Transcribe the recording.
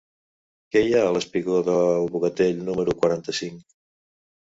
Què hi ha al espigó del Bogatell número quaranta-cinc?